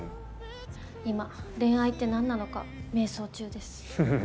今恋愛って何なのか迷走中です。